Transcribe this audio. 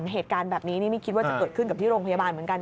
เหตุการณ์แบบนี้นี่ไม่คิดว่าจะเกิดขึ้นกับที่โรงพยาบาลเหมือนกัน